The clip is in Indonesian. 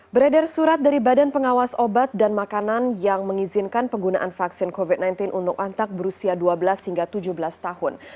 beredar surat dari badan pengawas obat dan makanan yang mengizinkan penggunaan vaksin covid sembilan belas untuk antak berusia dua belas hingga tujuh belas tahun